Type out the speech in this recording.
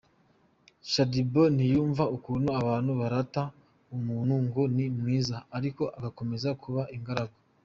Shadyboo ntiyumva ukuntu abantu barata umuntu ngo ni mwiza ariko agakomeza kuba ingaragu.